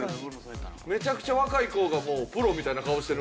めちゃくちゃ若い子がもうプロみたいな顔してるんやもんね。